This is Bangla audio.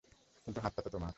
কিন্তু, হাট তো তোমার।